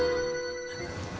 saat ini aku lanjut albumnya